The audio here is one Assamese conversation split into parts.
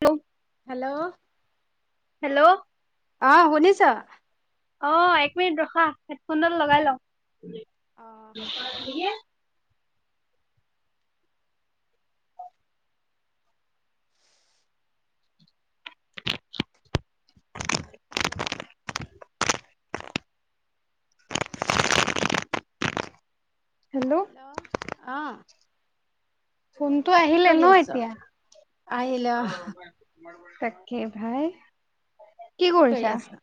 হেল্ল হেল্ল' হেল্ল' অ শুনিছ? অ, এক মিনিট ৰখা হেডফোনডাল লগাই লওঁ। অ, লগাই ল। [unintelligible] হেল্ল' হেল্ল' অ, ফোনটো কি আহিলে কৰি ন আছ? এতিয়া? আহিল অ' তাকে ভাই। কি কৰি আছা?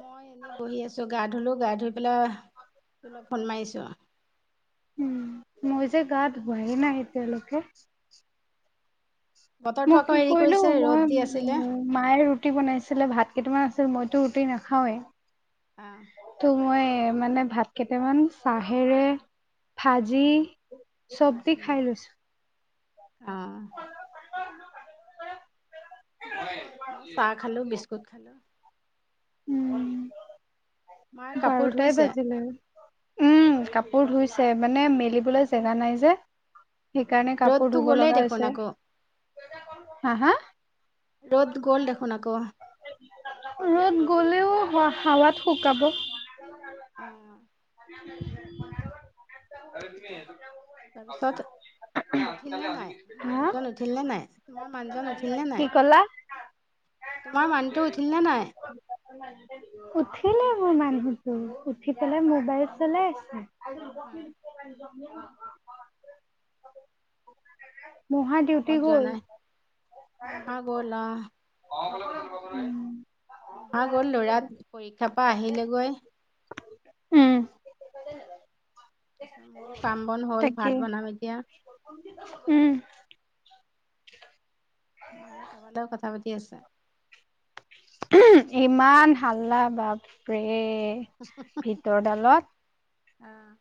মই এনেই বহি আছোঁ গা ধুলোঁ গা ধুই পেলাই ধ লপ ফোন মাৰিছোঁ। উম, মই যে গা ধোৱাই নাই এতিয়ালৈকে। বতৰটো ম আকৌ কি হেৰি কৰিলো কৰিছে ৰ'দ দি আছিলে। অ মায়ে ৰুটি বনাইছিলে ভাত কেইটামান আছিল মইতো ৰুটি নাখাওৱেই, অ, ত' মই মানে ভাত কেইটামান চাহেৰে ভাজি চব দি খাই লৈছোঁ। অ'। মই চাহ খালো, বিস্কুট খালো। উম, মায়ে কাপোৰ বাৰটাই ধুইছে বাজিলে। উম, কাপোৰ ধুইছে মানে মেলিবলৈ জেগা নাই যে। সেইকাৰণে কাপোৰ ৰ'দটো ধুব গ'লেই লগা দেখোন হৈছে আকৌ হা, হা? ৰ'দ গ'ল দেখোন আকৌ। ৰ'দ গ'লেও হ, হাৱাত শুকাব। অ'। তাৰপিছত [unintelligible] উঠিল নে নাই হা মানুহজন উঠিল নে নাই তোমাৰ মানুহজন উঠিল নে কি নাই। কলা? তোমাৰ মানুহটো উঠিল নে নাই। উঠিলে মোৰ মানুহতো উঠি পেলাই মোবাইল চলাই আছে। [inaudible] ডিউটি কামত যোৱা গ'ল। নাই মহা গৰ লা অ'। মা গ'ল লৰাত পৰীক্ষাৰ পৰা আহিলেগৈ। উম তাৰপাছত মোৰো কাম বন হ'ল তাকে ভাত বনাম এতিয়া। উম। মায়ে কাৰোবালৈও কথা পাতি আছে। ইমান হাল্লা বাপ্পে [unintelligible] দ, ডালত অ'।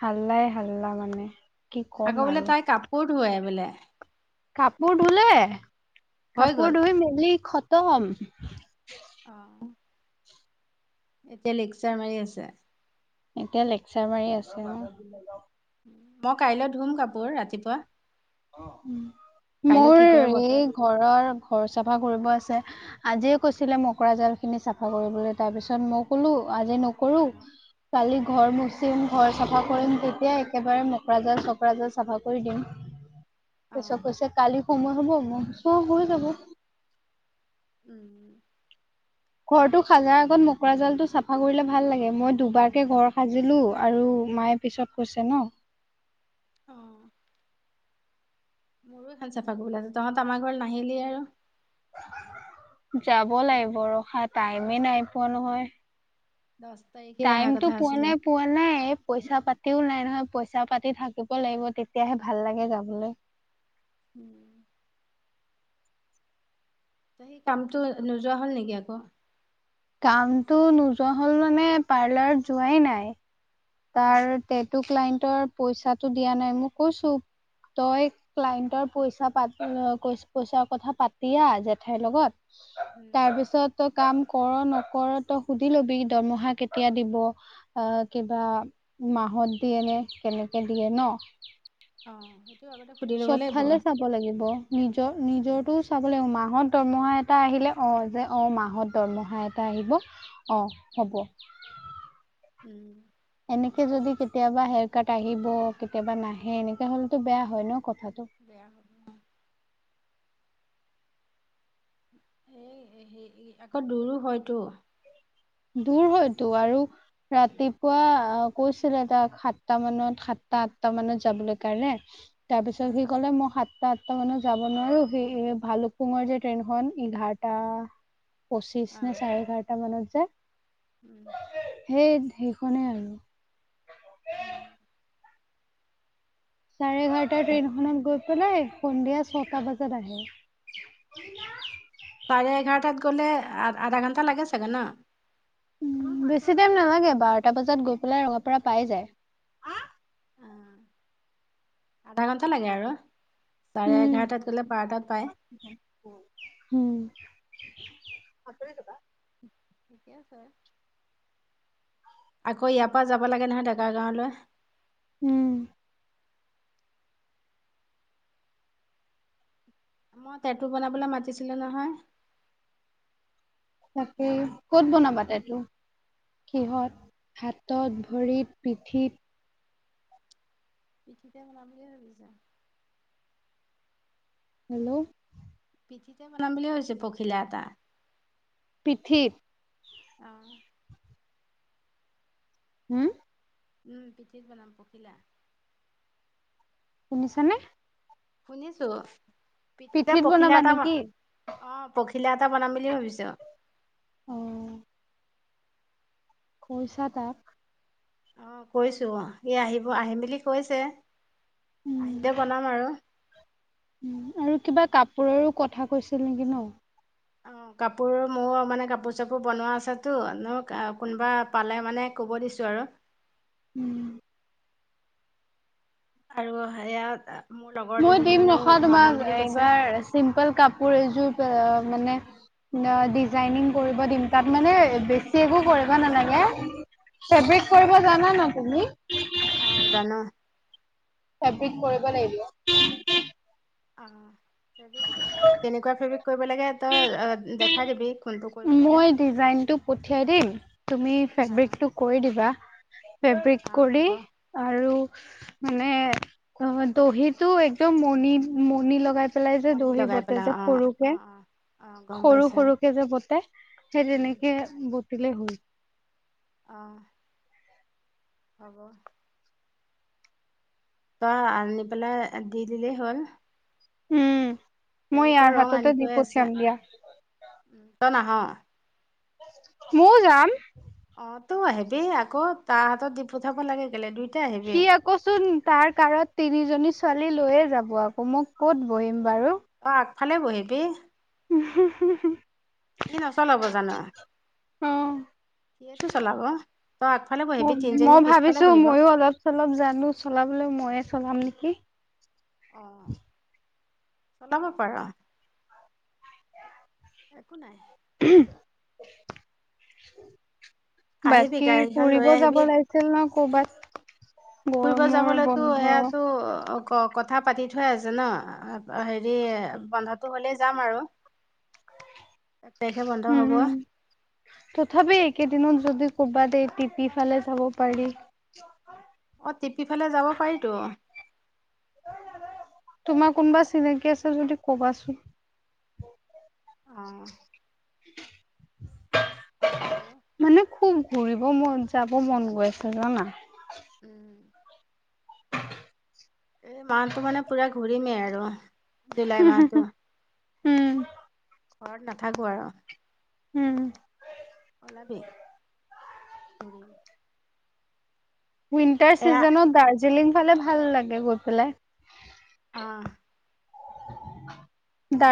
হাল্লাই, হাল্লা মানে। কি ক'ম আকৌ বোলে আৰু। তাই কাপোৰ ধোৱে বোলে। কাপোৰ ধুলে। হৈ কাপোৰ গ'ল ধুই মেলি খতম। অ'। এতিয়া লেকচাৰ মাৰি আছে। এতিয়া লেকচাৰ মাৰি আছে। মই কাইলৈ ধুম কাপোৰ ৰাতিপুৱা। কাইলৈ মোৰ কি কৰে বতৰ এই ঘৰৰ, ঘৰ চাফা কৰিব আছে। আজিয় কৈছিলে মকৰা জাল খিনি চাফা কৰিবলৈ তাৰ পিছত মই কলো আজি কৰো অ কালি ঘৰ ম ম, ঘৰ চাফা কৰিম তেতিয়া একেবাৰে মোকৰা জাল চকৰা জাল চাফা কৰি দিম। পাৰিছত অ' কৈছে কালি সময় হ'ব ম, চ হৈ যাব। উম। ঘৰটো সাজাৰ আগত মোকৰা জালটো চাফা কৰিলে ভাল লাগে মই দুবাৰকে ঘৰ সাৰিলো আৰু মায় পিছত কৈছে ন। অ'। মোৰো এখন চাফা কৰিবলৈ আছে। তহঁত আমাৰ ঘৰত নাহিলি আৰু। যাব লাগিব ৰখা দহ টাইমে নাই পোৱা নহয়। দহ তাৰিখে অহা টাইমটো কথা পোৱা আছিলে। নাই পোৱা নাই পইচা পাতিও নাই, নহয়, পইচা পাতি থাকিব লাগিব তেতিয়াহে ভাল লাগে যাবলৈ। উম। সেই কামতটো নোযোৱা হ'ল নেকি আকৌ। কামতটো নোযোৱা হ'ল মানে পাৰ্লাৰত যোৱাই নাই। উম তাৰ তেটটো, ক্লাইণ্টৰ পইচাটো দিয়া নাই মোক কৈছো। তই, ক্লায়েণ্টৰ পইচা, পা, পইচাৰ কথা পাতিয়া জেঠাইৰ লগত। উম। তাৰ পিছত তই কাম কৰ নকৰ তই সুধি লবি দৰমহা কেতিয়া দিব অ'। মাহত দিয়ে নে কেনেকৈ দিয়ে ন। অ সেইটো আগতে সুধি ল'ব লাগিব। চবফালে চাব লাগিব নিজৰ উম নিজটো চাব লাগিব মাহত দৰমহা এটা আহিলে অ', যে অ', মাহত দৰমহা এটা আহিব অ', উম হব। উম। এনেকে যদি কেতিয়াবা হেয়াৰ কাট আহিব কেতিয়াবা নাহে এনেকে হলেতো বেয়া হয় ন কথাটো। বেয়া হয় অ'। এই আকৌ দূৰো হয়তো। দূৰ হয়তো আৰু ৰাতিপুৱা অ', কৈছিলে তাক সাতটা মানত সাতটা আঠটা মানত যাবলৈ কাৰণে। [inaudible] তাৰপিছত সি ক'লে মই সাত টা মানত যাব নোৱাৰ সেই ভালুকপুঙৰ যে ট্ৰেইনখন এঘাৰটা পঁচিশ অ নে চাৰে এঘাৰটা মানত যে উম। সেই সেইখনেই আৰু। উম। চাৰে এঘাৰটা ট্ৰেইনখনত গৈ পেলাই সন্ধিয়া ছটা বজাত আহে। চাৰে এঘাৰটাত গ'লে আ আধা ঘণ্টা লাগে চাগে ন? বেছি টাইম নালাগে বাৰটা বজাত গৈ পেলাই ৰঙা পৰা পাই যায়। অ', আধা ঘন্টা লাগে আৰু। চাৰে উম এঘাৰটাত গ'লে বাৰটাত পায়। উম। ঠিকে আছে। আকৌ ইয়াৰ পৰা যাব লাগে নহয় ডেকাৰ গাঁৱলৈ। উম। মই তেঁটু বনাবলে মাতিছিলো নহয়। তাকে ক'ত বনাবা তাইতটো? কিহঁত হাতত ভৰিত পিঠিত? পিঠিতে বনাম বুলি ভাবিছা। হেল্ল'? পিঠিতে বনাম বুলি ভাবিছোঁ পখিলা এটা। পিঠিত? অ'। হম? উম, পিঠিত বনাম পখিলা। শুনিছা নে? শুনিছো পিঠিতে পিঠিত পখিলা বনাবা এটা বনাম। নেকি? অ', পখিলা এটা বনাম বুলি ভাবিছো। অ'। কৈছা তাক। অ', কৈছোঁ অ', আহিব আহিম বুলি কৈছে আহিলে বনাম আৰু। উন, আৰু কিবা কাপোৰৰো কথা কৈছিল নেকি ন? অ', কাপোৰ মোৰ মানে কাপোৰ চাপোৰ বনোৱা আছেটো ন কোনোবা পালে মানে ক'ব দিছোঁ আৰু। উম। আৰু সেয়া মোৰ লগৰ মই দুজনী দিম মানেও নখা বনাম তোমাক বুলি কৈছে এইবাৰ চিম্পল কাপোৰ এযোৰ মানে ন ডিজাইনিং কৰিব দিম তাত মানে বেছি একো কৰিব নালাগে। ফেব্ৰিক কৰিব জানা ন তুমি? অ', জানো। ফেব্ৰিক কৰিব লাগিব। অ', ফেবিক কেনেকুৱা ফেব্ৰিক কৰিব লাগে তই দেখাই দিবি। কোনটো কৰিব লাগে মই ডিজাইনটো পঠিয়াই দিম তুমি অ ফ্ৰেবিক টো কৰি দিবা। ফেব্ৰিক অ কৰি। হ'ব আৰু মানে অ', দহিতটো একদম মণি, মণি লগাই। পেলাই যে মণি দহি লগাই বটে পেলাই যে অ অ সৰুকে অ অ গম সৰু পাইছা সৰুকে যে বতে। সেই উম তেনেকে বটিলে হ'ল। অ'। হ'ব। বা আনি পেলাই দি দিলেই হ'ল। উম, মই ইয়াৰ ফেব্ৰিকৰ ৰং হাততে আনি দি থৈ আছে পঠিয়াম দিয়া। তই নাহ? মইও যাম। অ', তইও আহিবি আকৌ তাৰ হাতত দি পঠাব লাগে কেলে দুইটাাই আহিবি। কচোন তাৰ কাৰত তিনিজনী ছোৱালী লৈয়ে যাব আকৌ মই ক'ত বহিম বাৰু। তই আগফালে বহিবি। উ, হু, হু। সি নচলাব জানো? অ', সিয়েইটো চলাব তই আগফালে বহিবি তিনিজনী পিছফালে বহিব। অলপ-চলপ জানো চলাবলৈ ময়ে চলাম নেকি। অ', চলাব পাৰ। একো নাই। আহিবি বাকী গাড়ীখন লৈ ফুৰিব আহিবি যাব লাগিছিল ন ক'বাত। ফুৰিব যাবলৈতো সেইয়াতো। অ', কথা পাতি থৈ আছে ন, হেৰি বন্ধটো হ'লেই যাম আৰু। এক তাৰিখে বন্ধ হ'বই। উম, তথাপি এইকেইদিনত যদি ক'ৰবাত এই টিপি ফালে যাব পাৰি। অ', টিপি ফালে যাব পাৰিতো। তোমাৰ কোনোবা চিনাকি আছে যদি কবাচোন। অ'। ক'ম বাৰু। মানে খুব ঘূৰিব মন যাব মন গৈ আছে জানা? উম। এই মাহতটো মানে পুৰা ঘূৰিমেই আৰু জুলাই মাহতটো। উম, ঘৰত নাথাকোঁ আৰু। উম। ওলাবি ঘূৰিম। উইণ্টাৰ এয়া চিজনত দাৰ্জিলিং ফালে ভাল লাগে গৈ পেলাই। অ'।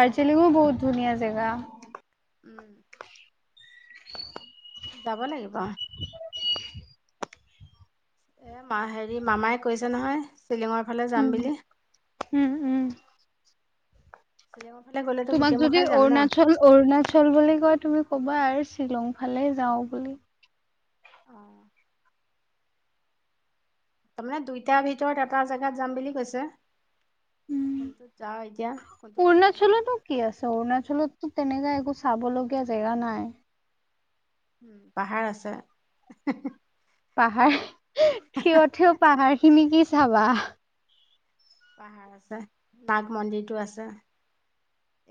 দাৰ্জিলিং ভাল লাগে বহুত ধুনীয়া জেগা। উম। যাব লাগিব। এ মা হেৰি মামাই কৈছে নহয় শ্বিলিঙৰ। ফালে যাম উম, বুলি উম, উম। শ্বিলংৰ ফালে গ'লে। তোমাক যদি অৰুণাচল। অৰুণাচল বুলি কয় তুমি ক'বা আৰু শ্বিলং ফালে যাওঁ বুলি। অ তাৰমানে দুইটাৰ ভিতৰত এটা জেগাত যাম বুলি কৈছে, কোনটোত যাওঁ এতিয়া। কোনটোত ভাল লাগিব অৰুণাচলতো কি আছে অৰুণাচলতো তেনেকা একো চাবলগীয়া জেগা নাই। উম, পাহাৰ আছে। পাহাৰ, থিঅ থিঅ পাহাৰ খিনি কি চাবা। পাহাৰ আছে, নাগ মন্দিৰটো আছে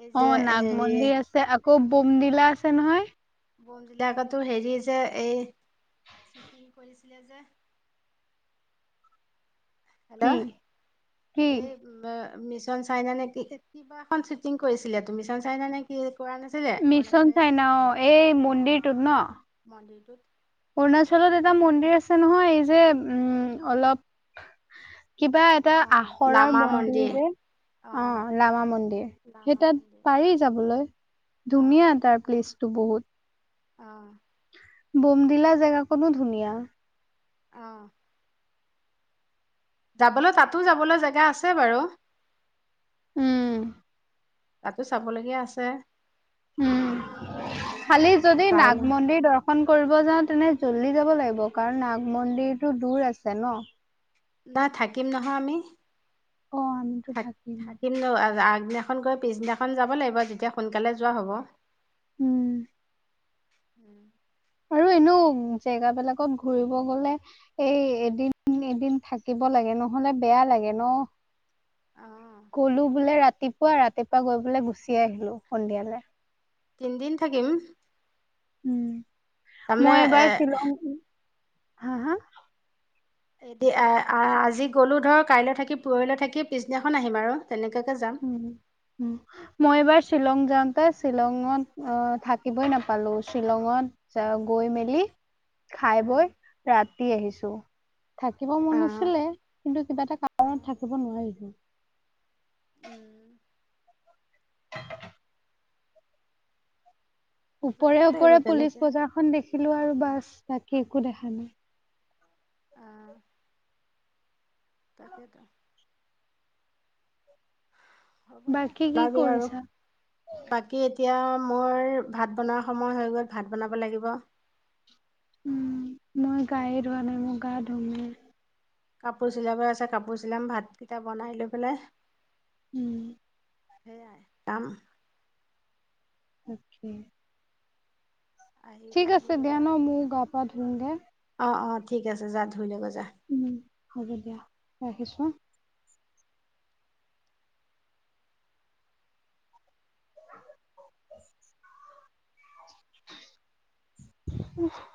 এই যে হেৰি। আ, আকৌ বমডিলা আছে নহয়। বনবিলাকাতো হেৰি যে এই শুটিং কৰিছিলে যে। হেল্ল, কি কি এই। মিছন চাইনা নে কি কিবা এখন শ্বুটিং কৰিছিলে, তো মিছন চাইনা নে কি কৰা নাছিল। মিছন চাই ন অ, এই অ' মন্দিৰটোত ন। মন্দিৰটোত। অৰুণাচলত এটা মন্দিৰ আছে নহয়। এই যে উম, অলপ কিবা। এটা অ' আখৰৰ লামা মন্দিৰ যে। অ, ৰামা মন্দিৰ, সেই লামা তাত মন্দিৰ পাৰি যাবলৈ অ' ধুনীয়া তাৰ প্লেচ। তো, বহুত। অ, বোমদিলা জেগাকনো ধুনীয়া। অ, যাবলৈ, তাতো যাবলৈ জেগা আছে বাৰু। উম, তাতো, চাবলগীয়া আছে। উম, খালি যদি চাই নাগ ল মন্দিৰ দশ ফোন কৰিব যাওঁ তেনে জল্দি যাব লাগিব কাৰণ নাগ মন্দিৰটো দূৰ আছে ন। নহ, থাকিম নহয় আমি অ আমিতো থ থাকিম ন, আগদিনা। এখন গৈ পিছদিনাখন যাব লাগিব যেতিয়া সোনকালে যোৱা হ'ব। উম, উম, আৰু এনেও জেগ বিলাকত ঘূৰিব গ'লে। এই এদিন এদিন থাকিব লাগে নহ'লে বেয়া লাগে ন। অঁ গ'লো বোলে ৰাতিপুৱা ৰাতিপুৱা গৈ পোাই গুচি আহিলো, সন্ধিয়ালৈ। তিনিদিন থাকিম। উম, তাৰমানে মই এ এবাৰ শ্বিলং, হা-হা এ, আজি গ'লো ধৰ কাইলৈ থাকি পৰহিলৈ থাকি পিছদিনাখন আহিম আৰু তেনেকাকে যাম। উম, উম, মই এবাৰ শ্বিলং যাওঁতে শ্বিলঙত আহ থাকিবই নাপালো, শ্বিলঙত। চ, গৈ মেলি। খাই বৈ ৰাতি আহিছো, থাকিব মন অঁ আছিলে। কিন্তু কিবা এটা অঁ কাৰণত থাকিব নোৱাৰিলো। যাব ওপৰে লাগিব ওপৰে পুলিচ তেনেকে বজাৰখন দেখিলো আৰু বাছ, বাকী একো দেখা নাই। তাকেত, হ'ব দ, বাকী কি ওলাবি আৰু। কৰিছা বাকী এতিয়া মোৰ ভাত বনোৱাৰ সময় হৈ গ'ল, ভাত বনাব লাগিব। উম, মই গায়ে বাকী ধোৱা নাই মই গা ধুওঁহে। কাপোৰ চিলাব আছে কাপোৰ চিলাম ভাতকেইটা বনাই লৈ পেলাই। উম, সেয়াই কাম। তাকে। আহি ঠিক আহি আছে দিয়া ন মইও গা, পা ধৰণ গে। অ, অ,, ঠিক আছে যা ধুৰি লগে যা। উম, হ'ব দিয়া ৰাখিছো। [unintelligible]